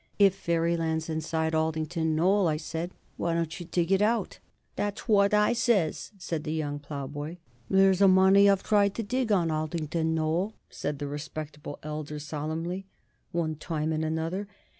"If Fairyland's inside Aldington Knoll," I said, "why don't you dig it out?" "That's what I says," said the young ploughboy. "There's a many have tried to dig on Aldington Knoll," said the respectable elder, solemnly, "one time and another.